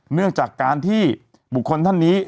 เนื่องจากการที่บุคคลท่านนี้